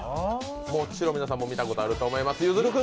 もちろん皆さんも見たことがあると思います。